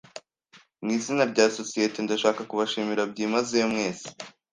Mw'izina rya sosiyete, ndashaka kubashimira byimazeyo mwese